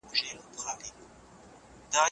مساپري د انسان حوصله ازمایي.